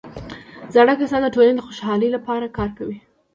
زاړه کسان د ټولنې د خوشحالۍ لپاره کار کوي